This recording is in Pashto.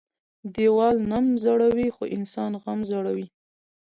ديوال نم زړوى خو انسان غم زړوى.